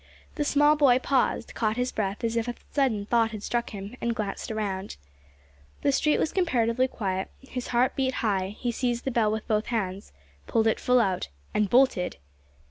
The small boy paused, caught his breath as if a sudden thought had struck him, and glanced round. The street was comparatively quiet; his heart beat high; he seized the bell with both hands, pulled it full out, and bolted!